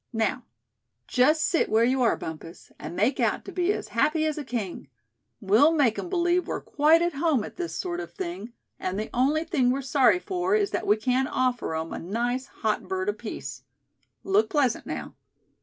Now, just sit where you are, Bumpus, and make out to be as happy as a king. We'll make 'em believe we're quite at home at this sort of thing; and the only thing we're sorry for is that we can't offer 'em a nice hot bird apiece. Look pleasant, now."